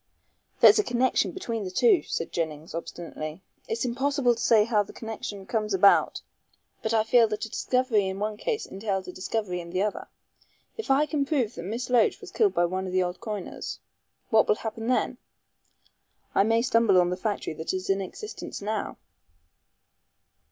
"There's a connection between the two," said Jennings, obstinately; "it's impossible to say how the connection comes about, but I feel that a discovery in one case entails a discovery in the other. If I can prove that Miss Loach was killed by one of the old coiners " "What will happen then?" "I may stumble on the factory that is in existence now."